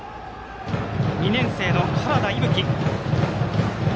２年生の原田晄希。